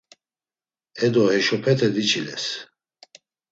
Edo, heşopete diçiles.